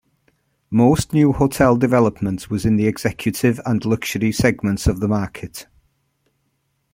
Most new hotel development was in the executive and luxury segments of the market.